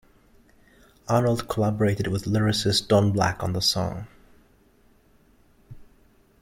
Arnold collaborated with lyricist Don Black on the song.